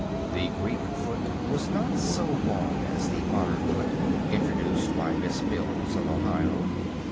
The Greek foot was not so long as the modern foot introduced by Miss Mills, of Ohio.